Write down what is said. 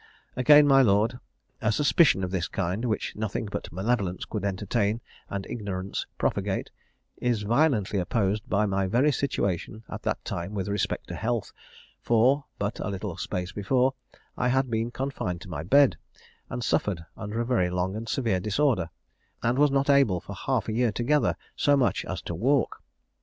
"Again, my lord, a suspicion of this kind, which nothing but malevolence could entertain and ignorance propagate, is violently opposed by my very situation at that time with respect to health; for, but a little space before, I had been confined to my bed, and suffered under a very long and severe disorder, and was not able, for half a year together, so much as to walk.